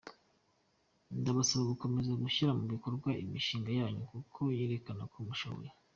Ndabasaba gukomeza gushyira mu bikorwa imishinga yanyu kuko yerekana ko mushoboye.